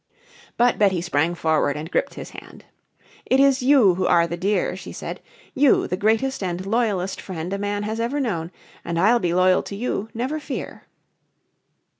But Betty sprang forward and gripped his hand. "It is you who are the dear," she said. "You, the greatest and loyalest friend a man has ever known. And I'll be loyal to you, never fear."